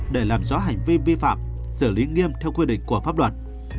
để làm rõ hành vi vi phạm xử lý nghiêm theo quy định của pháp luật